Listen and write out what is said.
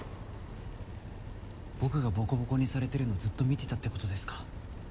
僕がボコボコにされてるのずっと見てたってことですか？